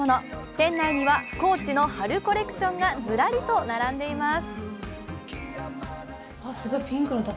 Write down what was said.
店内にはＣＯＡＣＨの春コレクションがずらりと並んでいます。